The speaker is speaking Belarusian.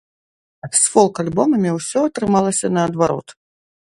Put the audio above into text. З фолк-альбомамі ўсё атрымалася наадварот.